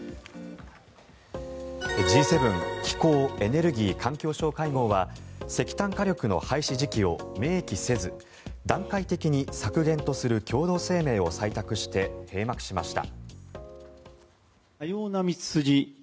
Ｇ７気候・エネルギー・環境大臣会合は石炭火力の廃止時期を明記せず段階的に削減とする共同声明を採択して閉幕しました。